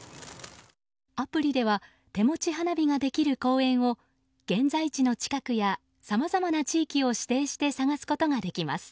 アプリでは手持ち花火ができる公園を現在地の近くやさまざまな地域を指定して探すことができます。